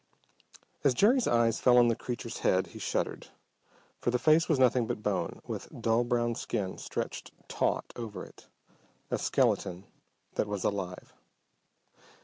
_"] As Jerry's eyes fell on the creature's head, he shuddered for the face was nothing but bone, with dull brown skin stretched taut over it. A skeleton that was alive!